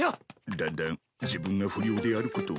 だんだん自分が不良であることを忘れてくな。